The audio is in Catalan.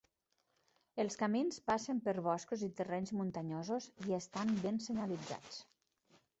Els camins passen per boscos i terrenys muntanyosos i estan ben senyalitzats.